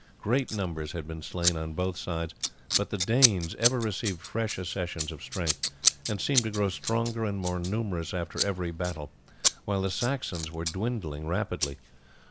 Great numbers had been slain on both sides, but the Danes ever received fresh accessions of strength, and seemed to grow stronger and more numerous after every battle, while the Saxons were dwindling rapidly.